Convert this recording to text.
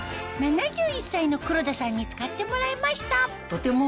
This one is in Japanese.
７１歳の黒田さんに使ってもらいましたとても。